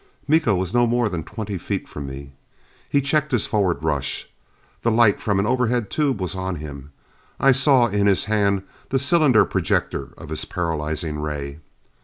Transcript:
Miko was no more than twenty feet from me. He checked his forward rush. The light from an overhead tube was on him: I saw in his hand the cylinder projector of his paralyzing ray.